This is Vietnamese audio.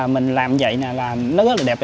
mình làm vậy là nó rất là đẹp